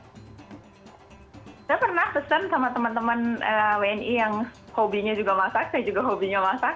saya pernah pesan sama teman teman wni yang hobinya juga masak saya juga hobinya masak